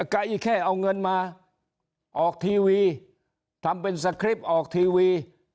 ใกล้แค่เอาเงินมาออกทีวีทำเป็นสคริปต์ออกทีวี